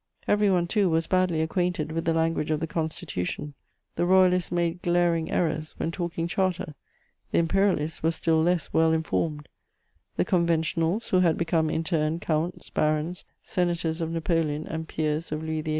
Everyone, too, was badly acquainted with the language of the Constitution: the Royalists made glaring errors when talking Charter; the Imperialists were still less well informed; the Conventionals, who had become, in turn, counts, barons, senators of Napoleon and peers of Louis XVIII.